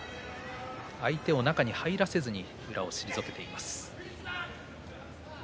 相手を中に入らせずに退けています。